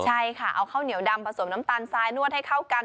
ใช่ค่ะเอาข้าวเหนียวดำผสมน้ำตาลทรายนวดให้เข้ากัน